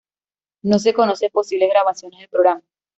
No se conocen posibles grabaciones del programa.